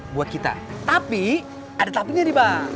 buat kita tapi ada tapi nya nih bang